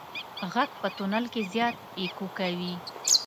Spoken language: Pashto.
غږ په تونل کې زیات اکو کوي.